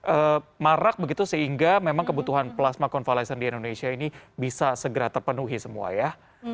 dan sosialisasi akan semakin marak begitu sehingga memang kebutuhan plasma konvalesen di indonesia ini bisa segera terpenuhi semua ya